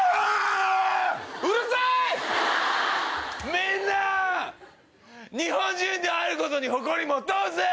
みんな日本人であることに誇り持とうぜ！